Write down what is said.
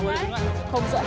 em cứ đứng ở đây